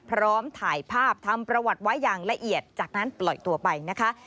พร้อมถ่ายภาพทำประวัติไว้อย่างละเอียดจากนั้นปล่อยตัวไปนะคะ